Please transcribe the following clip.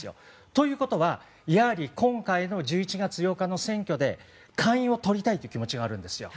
ということは、やはり今回の１１月８日の選挙で下院を取りたいという気持ちがあるんですよ。